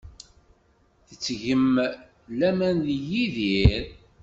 Tettgem laman deg Yidir.